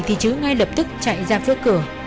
thì chứ ngay lập tức chạy ra phía cửa